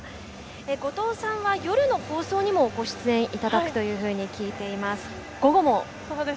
後藤さんは夜の放送にもご出演いただくと聞いています。